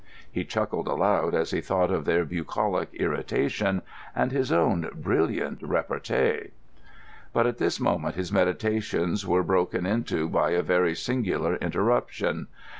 He chuckled aloud as he thought of their bucolic irritation and his own brilliant repartee. But at this moment his meditations were broken into by a very singular interruption.